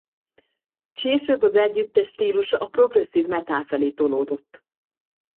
Később az együttes stílusa a progresszív metal felé tolódott.